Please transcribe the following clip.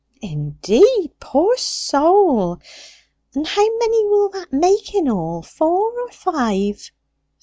"Indeed poor soul! And how many will that make in all, four or five?"